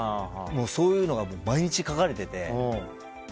そういうのが毎日書かれてて。